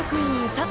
佐藤